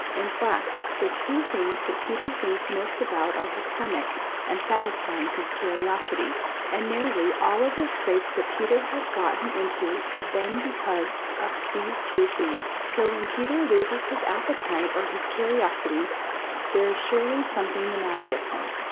In fact, the two things that Peter thinks most about are his stomach and satisfying his curiosity, and nearly all of the scrapes that Peter has gotten into have been because of those two things. So when Peter loses his appetite or his curiosity, there is surely something the matter with him.